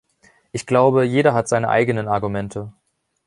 Ich glaube, jeder hat seine eigenen Argumente.